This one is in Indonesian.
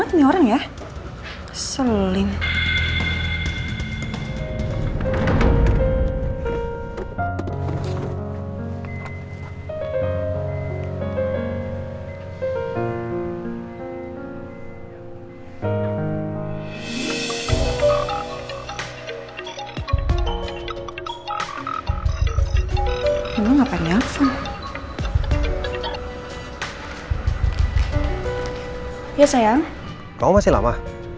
terima kasih ma